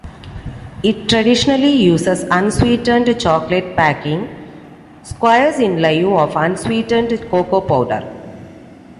It traditionally uses unsweetened chocolate baking squares in lieu of unsweetened cocoa powder.